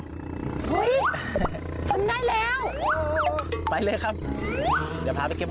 เฮ่ยมันได้แล้ว